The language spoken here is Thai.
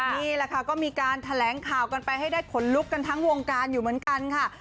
นี่แหละค่ะก็มีการแถลงข่าวกันไปให้ได้ขนลุกกันทั้งวงการอยู่เหมือนกันค่ะ